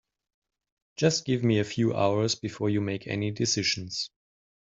Just give me a few hours before you make any decisions.